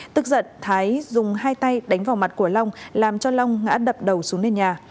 tức giận thái dùng hai tay đánh vào mặt của long làm cho long ngã đập đầu xuống nền nhà